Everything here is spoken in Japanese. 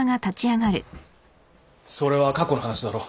それは過去の話だろ？